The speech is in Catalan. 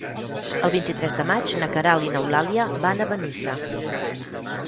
El vint-i-tres de maig na Queralt i n'Eulàlia van a Benissa.